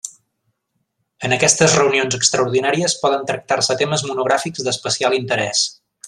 En aquestes reunions extraordinàries poden tractar-se temes monogràfics d'especial interès.